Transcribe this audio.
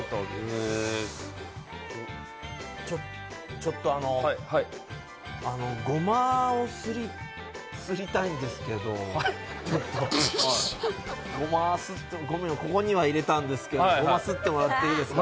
ちょっとあの、ゴマをすりたいんですけど、ちょっと、ここには入れたんですけどゴマすってもらっていいですか？